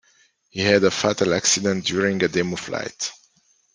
He had a fatal accident during a demo flight.